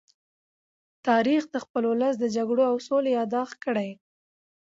تاریخ د خپل ولس د جګړو او سولې يادښت دی.